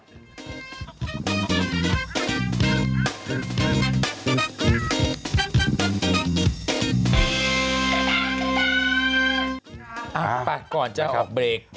ไปก่อนจะออกเบรก